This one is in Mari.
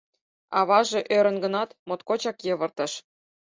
Аваже ӧрын гынат, моткочак йывыртыш.